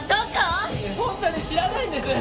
本当に知らないんです！